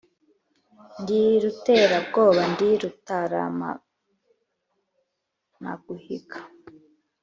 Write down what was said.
Ndi Ruterabwoba ndi Rutaramanaguhiga.